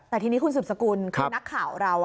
แต่ทีนี้คุณสืบสกุลคือนักข่าวเรา